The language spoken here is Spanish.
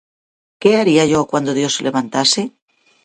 ¿Qué haría yo cuando Dios se levantase?